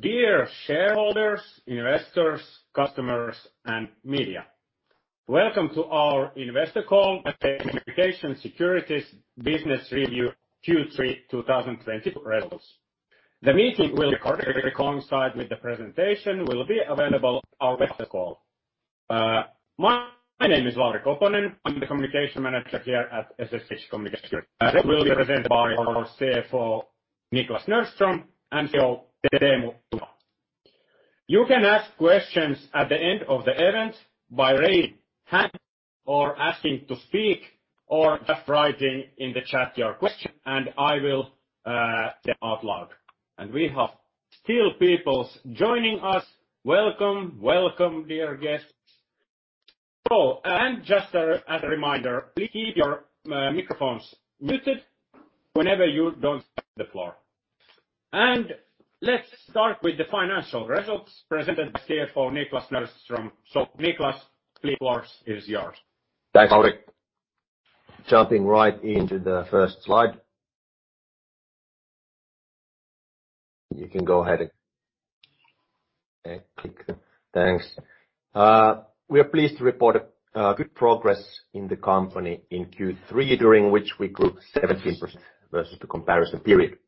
Dear shareholders, investors, customers and media, welcome to our investor call SSH Communications Security Business Review Q3 2020 Results. The presentation will be available on our website after the call. My name is Lauri Koponen. I'm the Communications Manager here at SSH Communications Security. The results will be presented by our CFO, Niklas Nordström, and CEO, Teemu Tunkelo. You can ask questions at the end of the event by raising hand or asking to speak or just writing in the chat your question and I will read them out loud. We have still people joining us. Welcome, dear guests. Just as a reminder, please keep your microphones muted whenever you don't have the floor. Let's start with the financial results presented by CFO, Niklas Nordström. Niklas, the floor is yours. Thanks, Lauri. Jumping right into the first slide. You can go ahead and click. Thanks. We are pleased to report good progress in the company in Q3, during which we grew 17% versus the comparison period.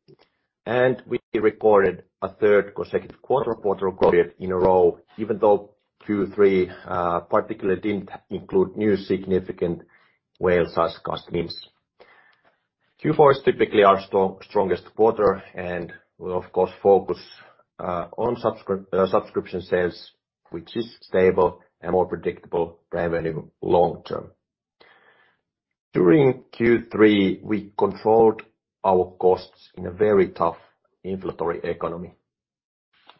We recorded a third consecutive quarter period in a row, even though Q3 particularly didn't include new significant whale-sized customers. Q4 is typically our strongest quarter, and we'll of course focus on subscription sales, which is stable and more predictable revenue long term. During Q3, we controlled our costs in a very tough inflationary economy,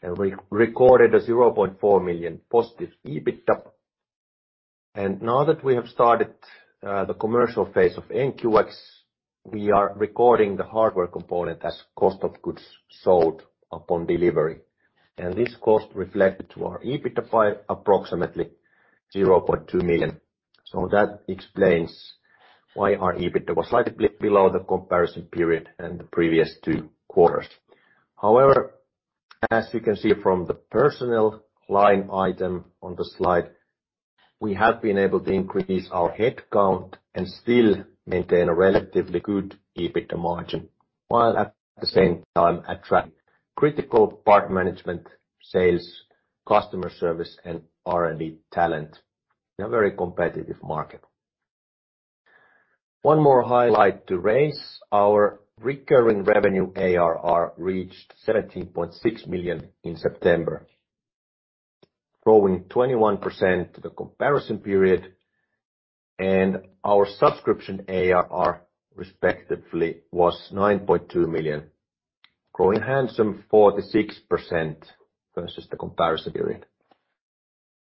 and we recorded 0.4 million positive EBITDA. Now that we have started the commercial phase of NQX, we are recording the hardware component as cost of goods sold upon delivery. This cost reflected to our EBITDA by approximately 0.2 million. That explains why our EBITDA was slightly below the comparison period and the previous two quarters. However, as you can see from the personnel line item on the slide, we have been able to increase our head count and still maintain a relatively good EBITDA margin while at the same time attract critical product management, sales, customer service and R&D talent in a very competitive market. One more highlight to raise, our recurring revenue ARR reached 17.6 million in September, growing 21% to the comparison period, and our subscription ARR respectively was 9.2 million, growing handsomely 46% versus the comparison period.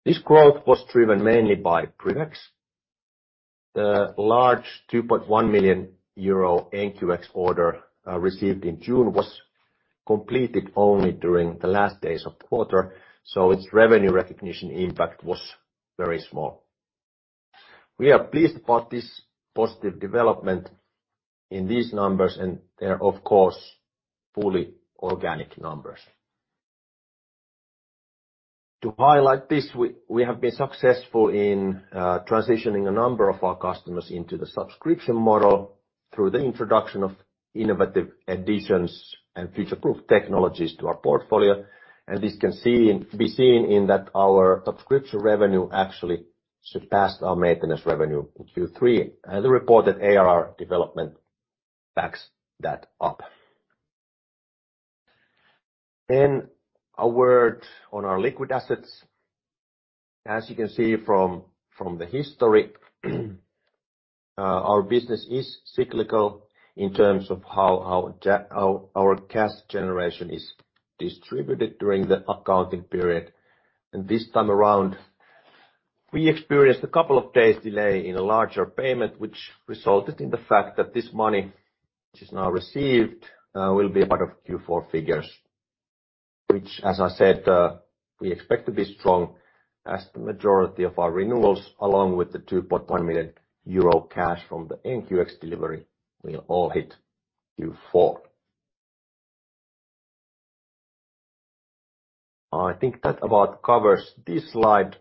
This growth was driven mainly by PrivX. The large 2.1 million euro NQX order, received in June was completed only during the last days of quarter, so its revenue recognition impact was very small. We are pleased about this positive development in these numbers, and they're of course fully organic numbers. To highlight this, we have been successful in transitioning a number of our customers into the subscription model through the introduction of innovative additions and future-proof technologies to our portfolio. This can be seen in that our subscription revenue actually surpassed our maintenance revenue in Q3, and the reported ARR development backs that up. A word on our liquid assets. As you can see from the history, our business is cyclical in terms of how our cash generation is distributed during the accounting period. This time around, we experienced a couple of days delay in a larger payment, which resulted in the fact that this money, which is now received, will be a part of Q4 figures, which as I said, we expect to be strong as the majority of our renewals along with the 2.1 million euro cash from the NQX delivery will all hit Q4. I think that about covers this slide.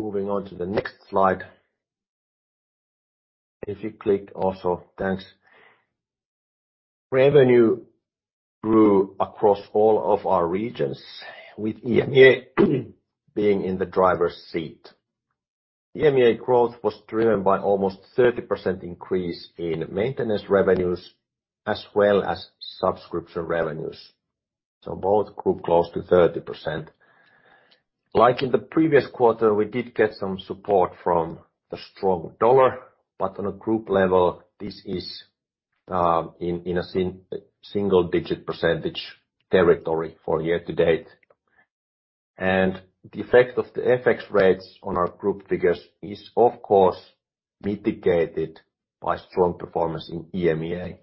Moving on to the next slide. If you click also. Thanks. Revenue grew across all of our regions with EMEA being in the driver's seat. EMEA growth was driven by almost 30% increase in maintenance revenues as well as subscription revenues. Both grew close to 30%. Like in the previous quarter, we did get some support from the strong dollar, but on a group level, this is in a single digit percentage territory for year to date. The effect of the FX rates on our group figures is of course mitigated by strong performance in EMEA.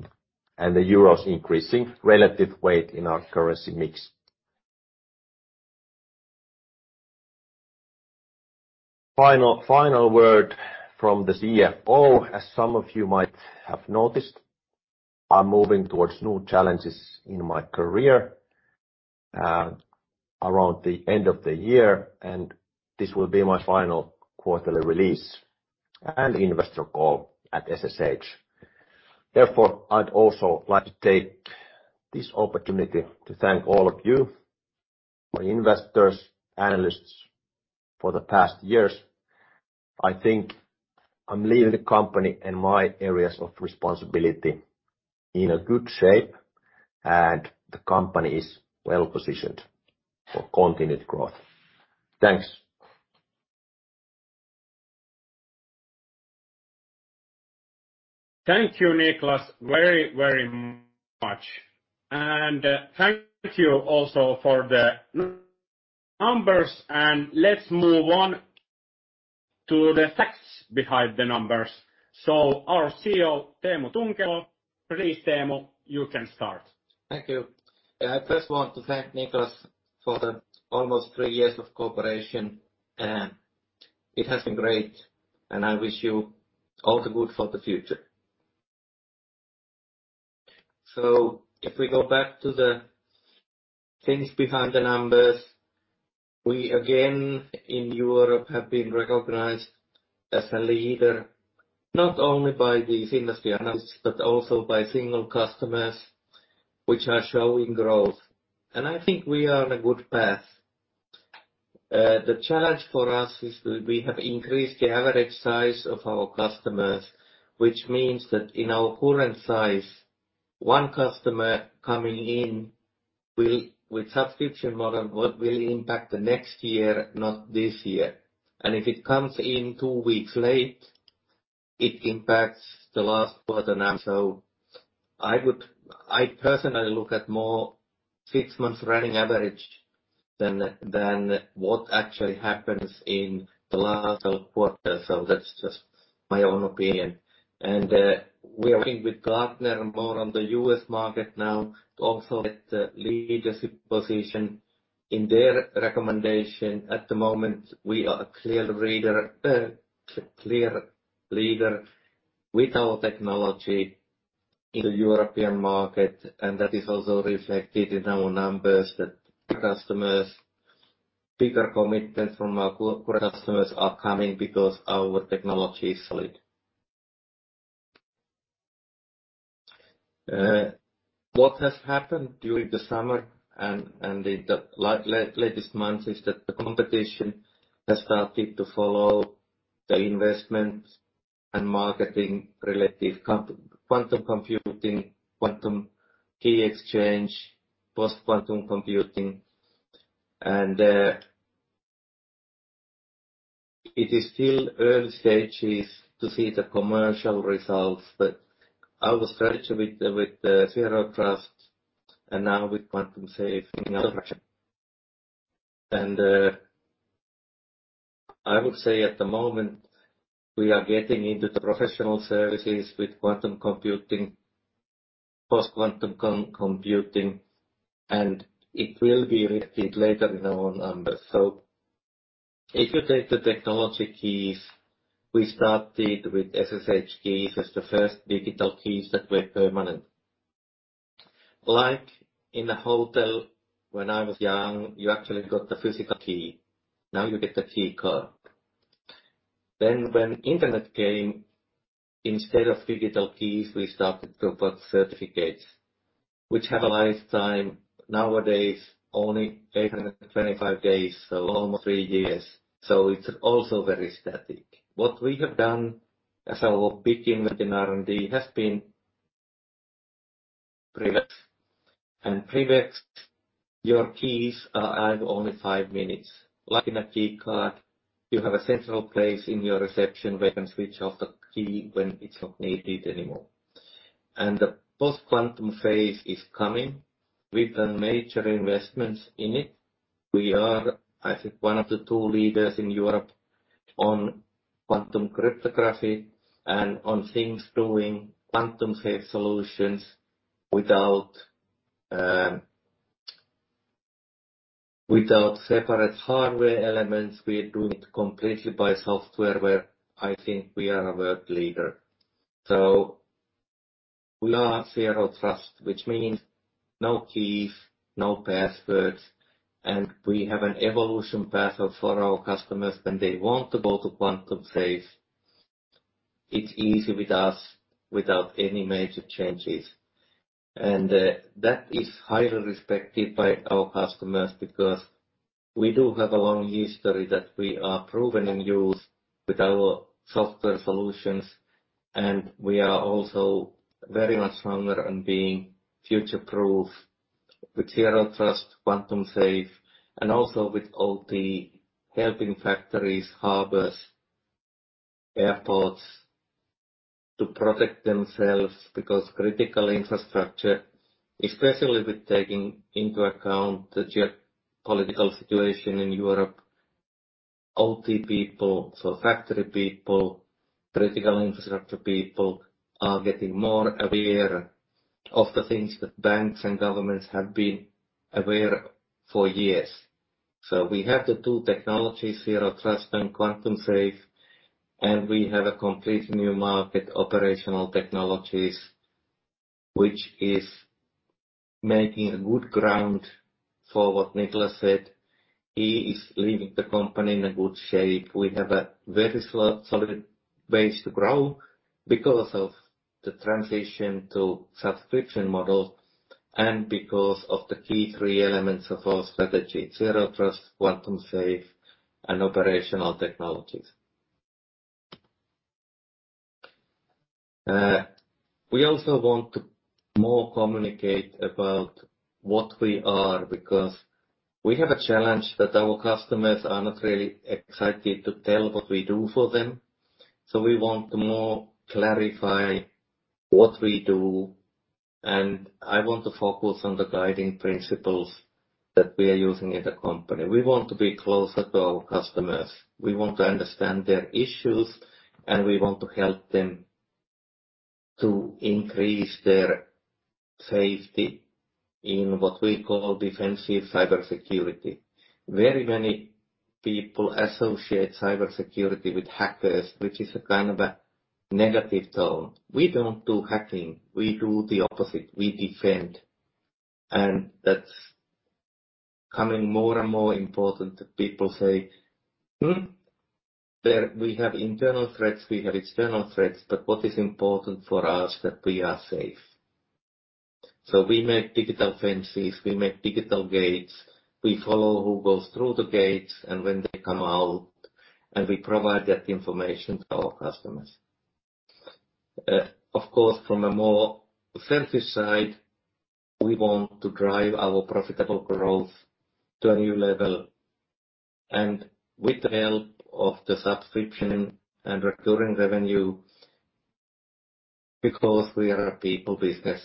The euro's increasing relative weight in our currency mix. Final word from the CFO. As some of you might have noticed, I'm moving towards new challenges in my career, around the end of the year, and this will be my final quarterly release and investor call at SSH. Therefore, I'd also like to take this opportunity to thank all of you, our investors, analysts, for the past years. I think I'm leaving the company and my areas of responsibility in a good shape, and the company is well-positioned for continued growth. Thanks. Thank you, Niklas, very, very much. Thank you also for the numbers, and let's move on to the facts behind the numbers. Our CEO, Teemu Tunkelo. Please, Teemu, you can start. Thank you. I first want to thank Niklas for the almost three years of cooperation. It has been great, and I wish you all the good for the future. If we go back to the things behind the numbers, we again, in Europe, have been recognized as a leader, not only by these industry analysts, but also by single customers, which are showing growth. I think we are on a good path. The challenge for us is we have increased the average size of our customers, which means that in our current size, one customer coming in will, with subscription model, what will impact the next year, not this year. If it comes in two weeks late, it impacts the last quarter now. I personally look at more six months running average than what actually happens in the last quarter. That's just my own opinion. We are working with Gartner more on the U.S. market now. Also with the leadership position in their recommendation at the moment, we are a clear leader with our technology in the European market, and that is also reflected in our numbers that bigger commitments from our customers are coming because our technology is solid. What has happened during the summer and in the latest months is that the competition has started to follow the investment and marketing relative to quantum computing, quantum key distribution, post-quantum cryptography. It is still early stages to see the commercial results. Our strategy with the Zero Trust and now with Quantum-Safe. I would say at the moment we are getting into the professional services with quantum computing, post-quantum computing, and it will be reflected later in our numbers. If you take the technology keys, we started with SSH keys as the first digital keys that were permanent. Like in a hotel when I was young, you actually got a physical key. Now you get a key card. Then when internet came, instead of digital keys, we started to put certificates, which have a lifetime nowadays, only 825 days, so almost three years. It's also very static. What we have done as our big investment in R&D has been PrivX. In PrivX, your keys have only five minutes. Like in a key card, you have a central place in your reception where you can switch off the key when it's not needed anymore. The post-quantum phase is coming. We've done major investments in it. We are, I think, one of the two leaders in Europe on quantum cryptography and on things doing Quantum-Safe solutions without separate hardware elements. We are doing it completely by software, where I think we are a world leader. We are Zero Trust, which means no keys, no passwords. We have an evolution path for our customers when they want to go to Quantum-Safe. It's easy with us without any major changes. That is highly respected by our customers because we do have a long history that we are proven in use with our software solutions, and we are also very much stronger on being future-proof with Zero Trust, Quantum-Safe, and also with all the helping factories, harbors, airports to protect themselves because critical infrastructure, especially with taking into account the geopolitical situation in Europe, OT people, so factory people, critical infrastructure people are getting more aware of the things that banks and governments have been aware for years. We have the two technologies, zero trust and quantum safe, and we have a completely new market, operational technology, which is making a good ground for what Niklas said. He is leaving the company in a good shape. We have a very solid base to grow because of the transition to subscription model and because of the key three elements of our strategy, Zero Trust, Quantum-Safe, and operational technology. We also want to more communicate about what we are because we have a challenge that our customers are not really excited to tell what we do for them. We want to more clarify what we do, and I want to focus on the guiding principles that we are using in the company. We want to be closer to our customers. We want to understand their issues, and we want to help them to increase their safety in what we call defensive cybersecurity. Very many people associate cybersecurity with hackers, which is a kind of a negative tone. We don't do hacking. We do the opposite. We defend. That's becoming more and more important that people say, "Hmm, there we have internal threats, we have external threats, but what is important for us that we are safe." We make digital fences, we make digital gates, we follow who goes through the gates and when they come out, and we provide that information to our customers. Of course, from a more selfish side, we want to drive our profitable growth to a new level and with the help of the subscription and recurring revenue, because we are a people business,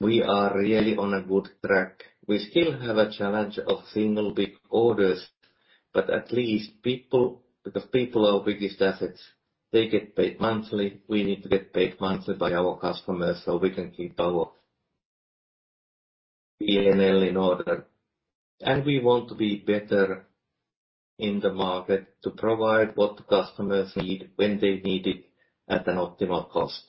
we are really on a good track. We still have a challenge of single big orders, but at least people, because people are our biggest assets, they get paid monthly. We need to get paid monthly by our customers, so we can keep our P&L in order. We want to be better in the market to provide what the customers need, when they need it, at an optimal cost.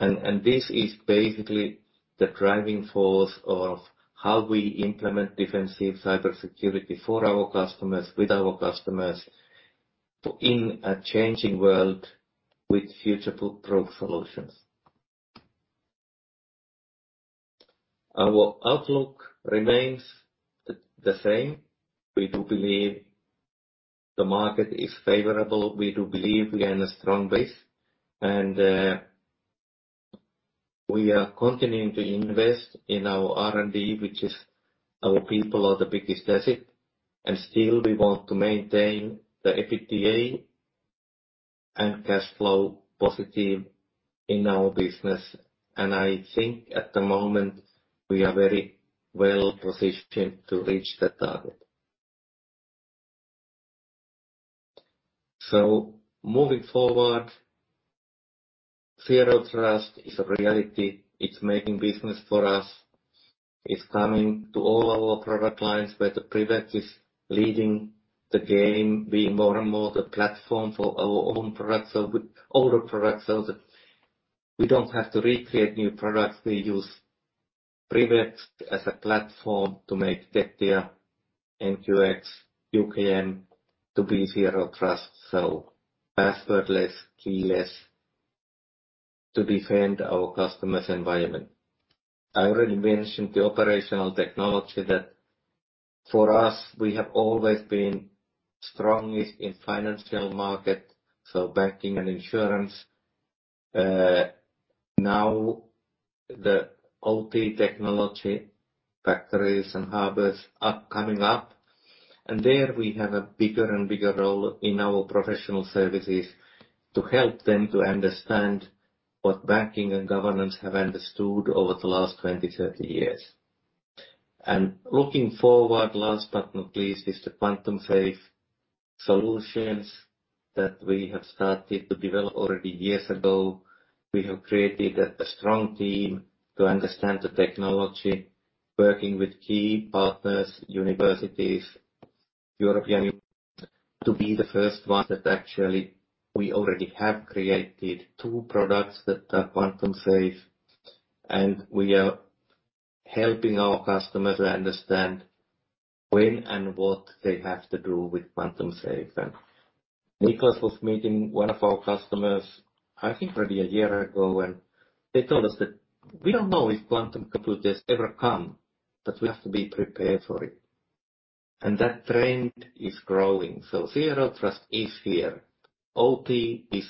This is basically the driving force of how we implement defensive cybersecurity for our customers, with our customers in a changing world with future-proof solutions. Our outlook remains the same. We do believe the market is favorable. We do believe we are in a strong base. We are continuing to invest in our R&D, which is our people are the biggest asset. Still we want to maintain the EBITDA and cash flow positive in our business. I think at the moment we are very well-positioned to reach that target. Moving forward, Zero Trust is a reality. It's making business for us. It's coming to all our product lines where the PrivX is leading the game, being more and more the platform for our own products or with older products so that we don't have to recreate new products. We use PrivX as a platform to make Tectia, NQX, UKM to be Zero Trust, so passwordless, keyless to defend our customers' environment. I already mentioned the operational technology that for us, we have always been strongest in financial market, so banking and insurance. Now the OT technology, factories and harbors are coming up, and there we have a bigger and bigger role in our professional services to help them to understand what banking and governance have understood over the last 20, 30 years. Looking forward, last but not least, is the quantum-safe solutions that we have started to develop already years ago. We have created a strong team to understand the technology, working with key partners, universities, European to be the first one that actually we already have created two products that are Quantum-Safe, and we are helping our customers understand when and what they have to do with Quantum-Safe. Niklas was meeting one of our customers, I think probably a year ago, and they told us that "We don't know if quantum computers ever come, but we have to be prepared for it." That trend is growing. Zero Trust is here. OT is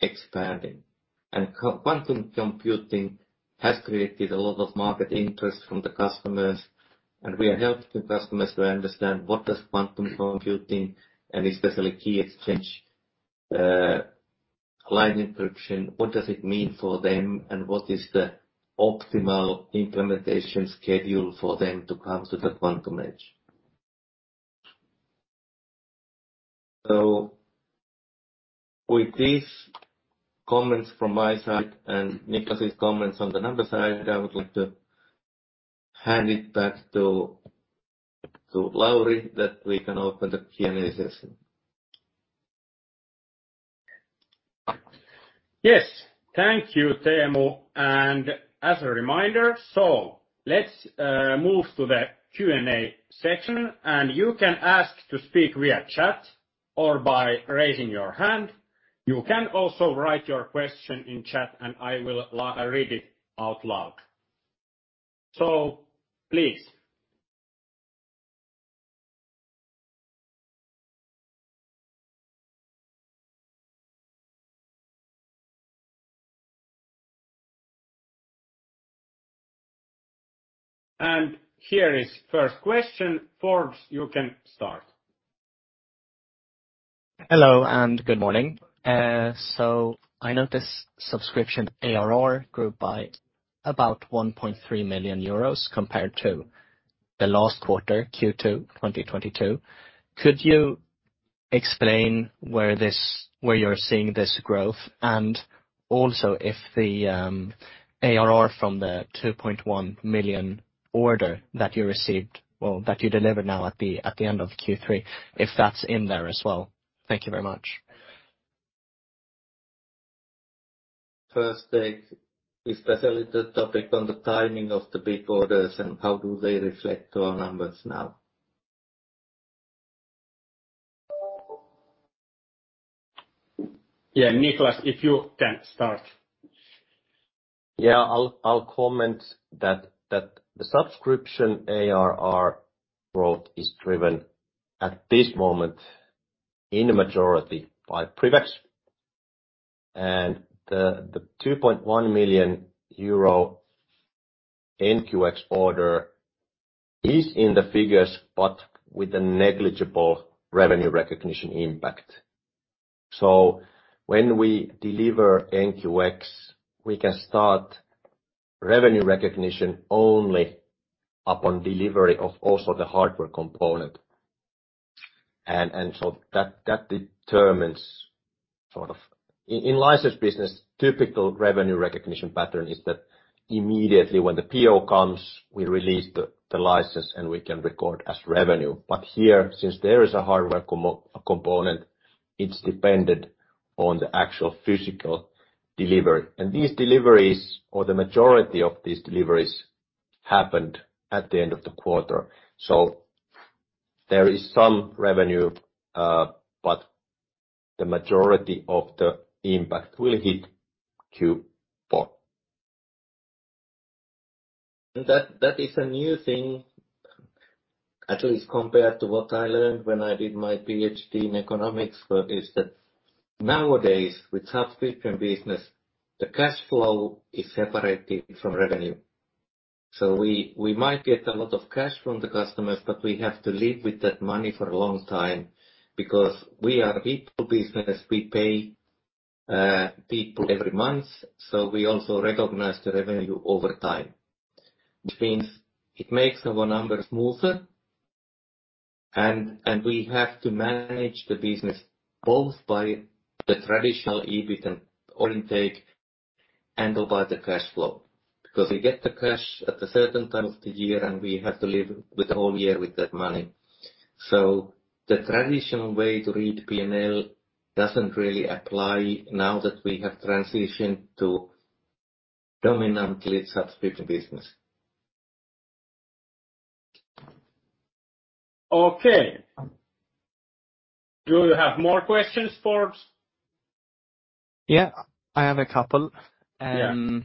expanding, and quantum computing has created a lot of market interest from the customers, and we are helping customers to understand what does quantum computing and especially key exchange, client encryption, what does it mean for them, and what is the optimal implementation schedule for them to come to the quantum edge? With these comments from my side and Niklas' comments on the number side, I would like to hand it back to Lauri that we can open the Q&A session. Yes. Thank you, Teemu. As a reminder, so let's move to the Q&A section, and you can ask to speak via chat or by raising your hand. You can also write your question in chat, and I will read it out loud. Please. Here is first question. Forbes, you can start. Hello, and good morning. I know this subscription ARR grew by about 1.3 million euros compared to the last quarter, Q2 2022. Could you explain where you're seeing this growth? If the ARR from the 2.1 million order that you received or that you delivered now at the end of Q3 is in there as well? Thank you very much. First, they Yeah. Niklas, if you can start. Yeah, I'll comment that the subscription ARR growth is driven, at this moment, in majority by PrivX. The 2.1 million euro NQX order is in the figures, but with a negligible revenue recognition impact. When we deliver NQX, we can start revenue recognition only upon delivery of also the hardware component. That determines sort of. In license business, typical revenue recognition pattern is that immediately when the PO comes, we release the license, and we can record as revenue. But here, since there is a hardware component, it's dependent on the actual physical delivery. These deliveries or the majority of these deliveries happened at the end of the quarter. There is some revenue, but the majority of the impact will hit Q4. That is a new thing, at least compared to what I learned when I did my PhD in economics, but is it nowadays with subscription business, the cash flow is separated from revenue. We might get a lot of cash from the customers, but we have to live with that money for a long time because we are people business. We pay people every month, so we also recognize the revenue over time, which means it makes our numbers smoother. We have to manage the business both by the traditional EBIT and order intake and by the cash flow. Because we get the cash at a certain time of the year, and we have to live all year with that money. The traditional way to read P&L doesn't really apply now that we have transitioned to dominantly subscription business. Okay. Do you have more questions, Forbes? Yeah. I have a couple. Yeah.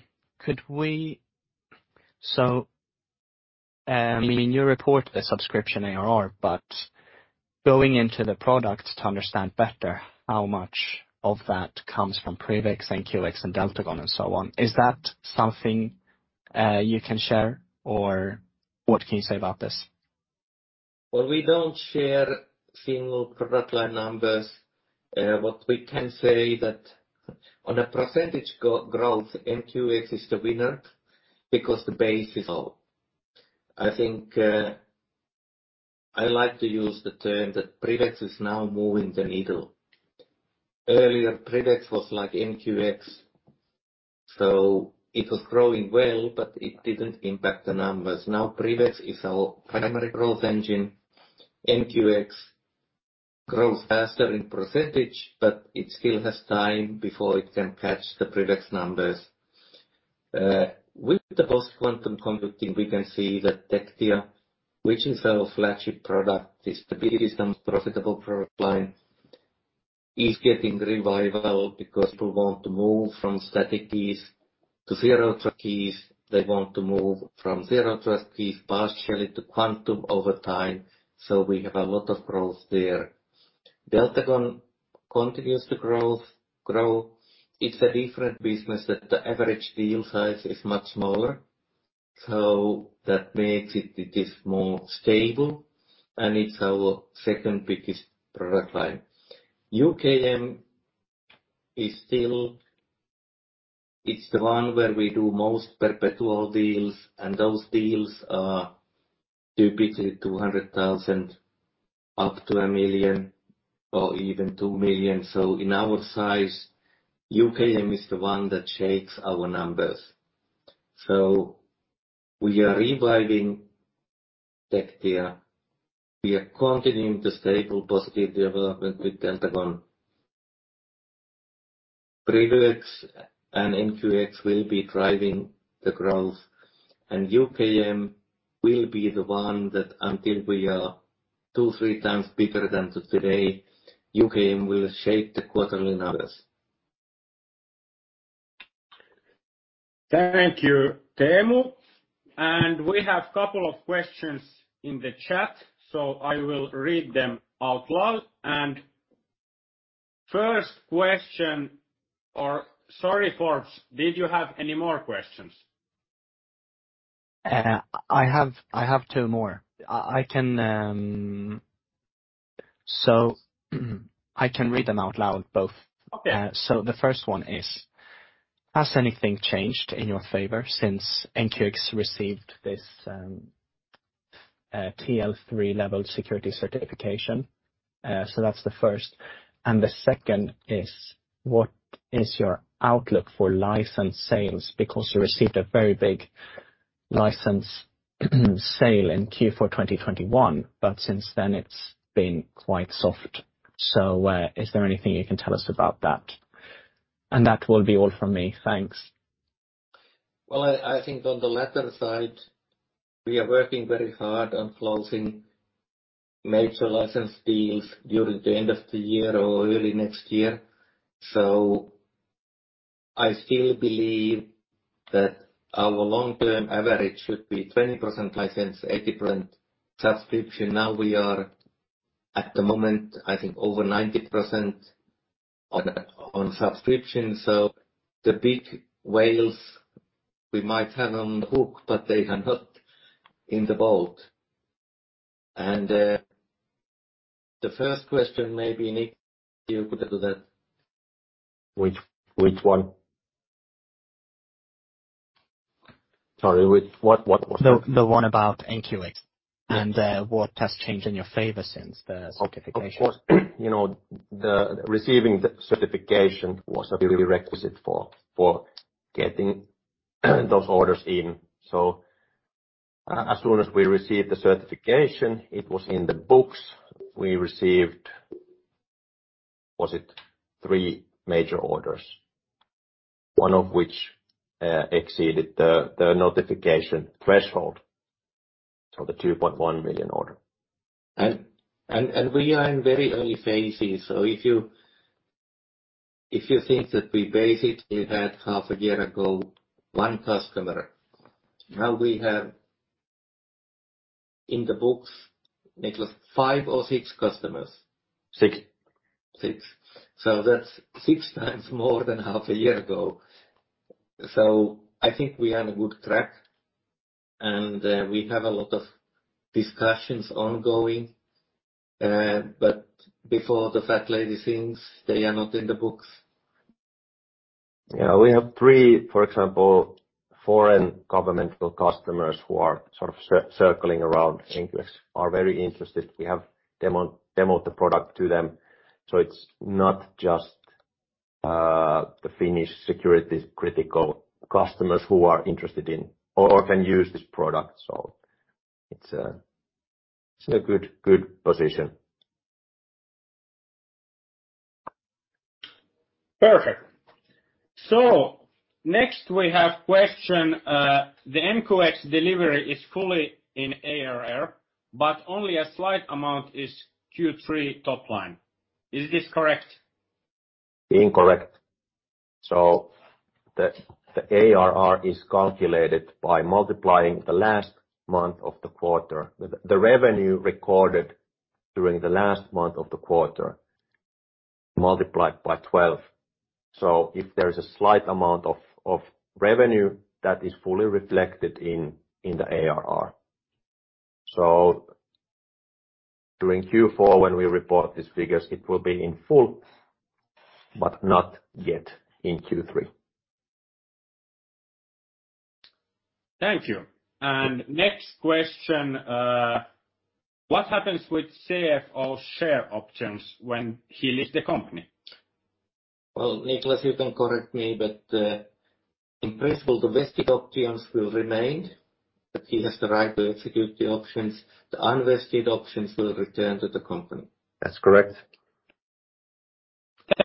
I mean, you report the subscription ARR, but going into the product to understand better how much of that comes from PrivX and NQX and Deltagon and so on, is that something you can share or what can you say about this? Well, we don't share single product line numbers. What we can say is that on a percentage growth, NQX is the winner because the base is small. I think, I like to use the term that PrivX is now moving the needle. Earlier, PrivX was like NQX, so it was growing well, but it didn't impact the numbers. Now, PrivX is our primary growth engine. NQX grows faster in percentage, but it still has time before it can catch the PrivX numbers. With the post-quantum cryptography, we can see that Tectia, which is our flagship product, is the biggest and profitable product line, is getting revival because people want to move from static keys to Zero Trust keys. They want to move from Zero Trust keys partially to quantum over time. We have a lot of growth there. Deltagon continues to grow. It's a different business that the average deal size is much smaller. That makes it is more stable and it's our second biggest product line. UKM is still, it's the one where we do most perpetual deals, and those deals are typically 200,000 up to 1 million or even 2 million. In our size, UKM is the one that shapes our numbers. We are reviving Tectia. We are continuing the stable positive development with Deltagon. PrivX and NQX will be driving the growth, and UKM will be the one that until we are two-three times bigger than today, UKM will shape the quarterly numbers. Thank you, Teemu. We have a couple of questions in the chat, so I will read them out loud. Sorry, Forbes, did you have any more questions? I have two more. I can read them out loud both. Yeah. The first one is, has anything changed in your favor since NQX received this TL3 level security certification? That's the first. The second is, what is your outlook for license sales? Because you received a very big license sale in Q4 of 2021, but since then it's been quite soft. Is there anything you can tell us about that? That will be all from me. Thanks. Well, I think on the latter side, we are working very hard on closing major license deals during the end of the year or early next year. I still believe that our long-term average should be 20% license, 80% subscription. Now, we are at the moment, I think, over 90% on subscription. The big whales, we might have them hooked, but they are not in the boat. The first question maybe, Nik, you could do that. Which one? Sorry, what was the- The one about NQX. Yes. What has changed in your favor since the certification? Of course, you know, receiving the certification was a prerequisite for getting those orders in. As soon as we received the certification, it was in the books we received. Was it three major orders? One of which exceeded the notification threshold for the 2.1 million order. We are in very early phases, so if you think that we basically had half a year ago one customer, now we have in the books, Niklas, five or six customers. Six. Six. That's six times more than half a year ago. I think we are on a good track, and we have a lot of discussions ongoing. Before the fat lady sings, they are not in the books. Yeah. We have three, for example, foreign governmental customers who are sort of circling around NQX are very interested. We have demoed the product to them, so it's not just the Finnish security critical customers who are interested in or can use this product. It's in a good position. Perfect. Next we have question, the NQX delivery is fully in ARR, but only a slight amount is Q3 top line. Is this correct? Incorrect. The ARR is calculated by multiplying the last month of the quarter. The revenue recorded during the last month of the quarter multiplied by 12. If there is a slight amount of revenue that is fully reflected in the ARR. During Q4 when we report these figures, it will be in full, but not yet in Q3. Thank you. Next question, what happens with CFO share options when he leaves the company? Well, Niklas, you can correct me, but in principle, the vested options will remain, that he has the right to execute the options. The unvested options will return to the company. That's correct.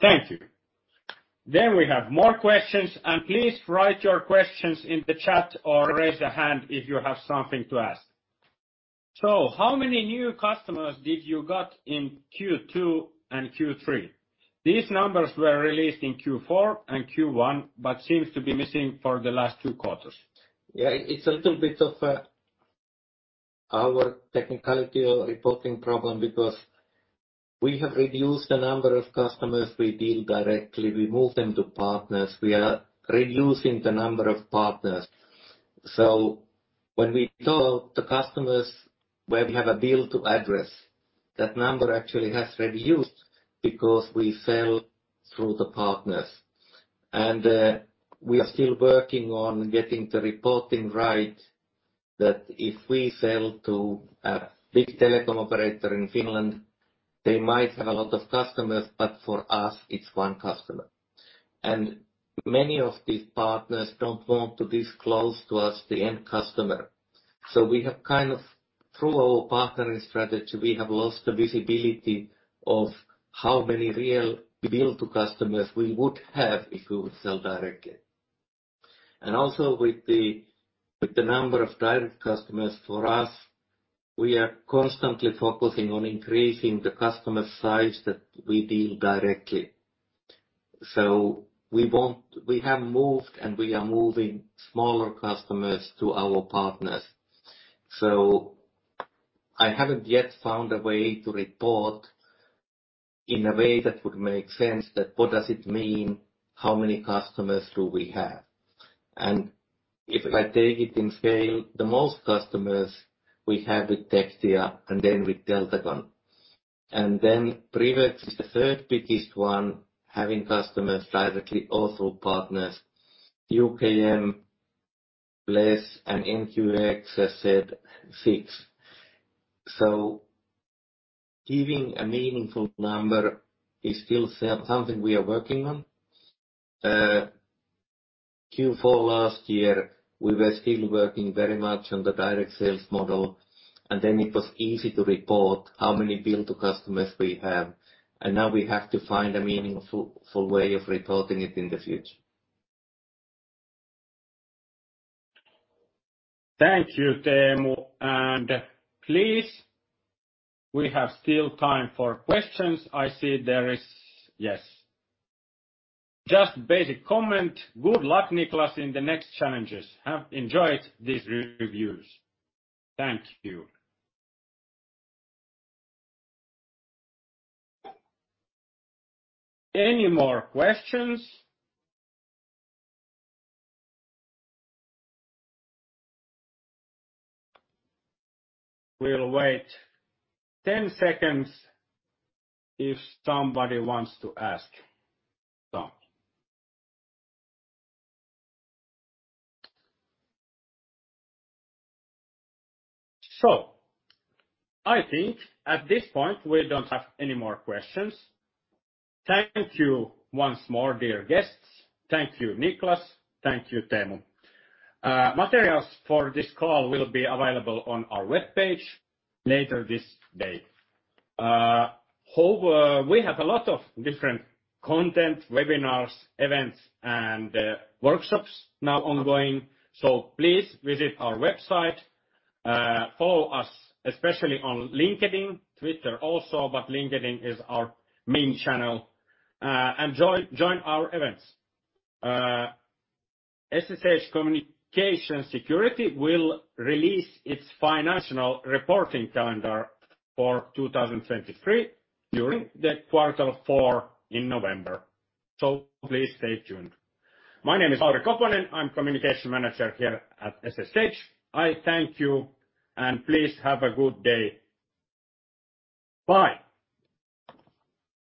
Thank you. We have more questions, and please write your questions in the chat or raise a hand if you have something to ask. How many new customers did you got in Q2 and Q3? These numbers were released in Q4 and Q1, but seems to be missing for the last two quarters. Yeah, it's a little bit of our technicality or reporting problem because we have reduced the number of customers we deal directly. We move them to partners. We are reducing the number of partners. When we talk, the customers where we have a bill to address, that number actually has reduced because we sell through the partners. We are still working on getting the reporting right that if we sell to a big telecom operator in Finland, they might have a lot of customers, but for us it's one customer. Many of these partners don't want to disclose to us the end customer. We have kind of through our partnering strategy, we have lost the visibility of how many real bill to customers we would have if we would sell directly. With the number of direct customers for us, we are constantly focusing on increasing the customer size that we deal directly. We have moved and we are moving smaller customers to our partners. I haven't yet found a way to report in a way that would make sense that what does it mean, how many customers do we have? If I take it in scale, the most customers we have with Tectia and then with Deltagon, and then PrivX is the third biggest one, having customers directly or through partners, UKM less and NQX has, say, six. Giving a meaningful number is still something we are working on. Q4 last year, we were still working very much on the direct sales model, and then it was easy to report how many bill-to customers we have, and now we have to find a meaningful way of reporting it in the future. Thank you, Teemu. Please, we have still time for questions. I see there is. Yes. Just basic comment. Good luck, Niklas, in the next challenges. Have enjoyed these reviews. Thank you. Any more questions? We'll wait 10 seconds if somebody wants to ask some. I think at this point we don't have any more questions. Thank you once more, dear guests. Thank you, Niklas. Thank you, Teemu. Materials for this call will be available on our webpage later this day. Hope we have a lot of different content, webinars, events, and workshops now ongoing. Please visit our website, follow us, especially on LinkedIn, Twitter also, but LinkedIn is our main channel, and join our events. SSH Communications Security will release its financial reporting calendar for 2023 during the quarter four in November. Please stay tuned. My name is Lauri Koponen. I'm Communications Manager here at SSH. I thank you, and please have a good day. Bye.